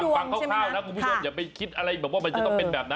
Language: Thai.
ฟังคร่าวนะคุณผู้ชมอย่าไปคิดอะไรแบบว่ามันจะต้องเป็นแบบนั้น